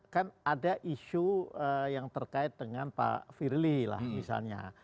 kan ada isu yang terkait dengan pak firly lah misalnya